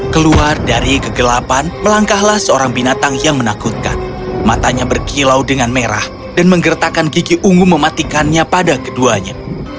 keluar dari kegelapan melangkahlah seorang binatang yang menakutkan matanya berkilau dengan merah dan menggertakkan gigi ungu mematikannya pada keduanya